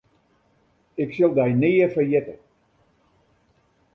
Ik sil dy nea ferjitte.